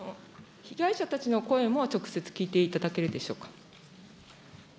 被害者たちの声も直接聞いていただけるでしょうか。